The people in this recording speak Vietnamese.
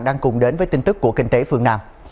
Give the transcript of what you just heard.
đang cùng đến với tin tức của kinh tế phương nam